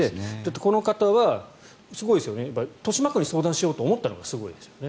この方はすごいですよね豊島区に相談しようと思ったのがすごいですね。